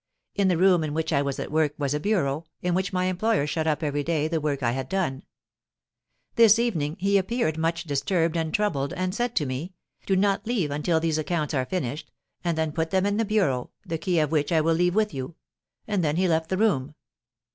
In the room in which I was at work was a bureau, in which my employer shut up every day the work I had done. This evening he appeared much disturbed and troubled, and said to me, 'Do not leave until these accounts are finished, and then put them in the bureau, the key of which I will leave with you;' and then he left the room.